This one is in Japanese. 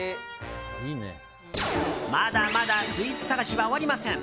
まだまだスイーツ探しは終わりません。